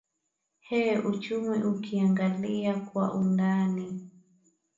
eeh uchumi ukiangalia kwa undani